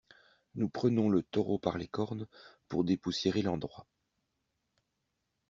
Nous prenons le taureau par les cornes pour dépoussiérer l’endroit.